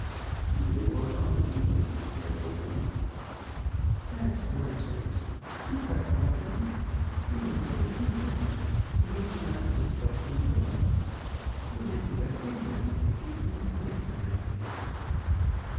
"Neither will I leave him, Maryanne." "That's nonsense. You've got nothing, no more than he has; and he's not your flesh and blood. Where would you have been now, if we'd been married on that day."